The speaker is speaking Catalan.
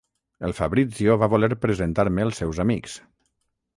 El Fabrizio va voler presentar-me els seus amics...